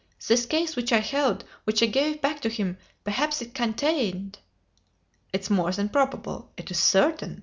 "This case which I held which I gave back to him! Perhaps it contained " "It is more than probable! It is certain!"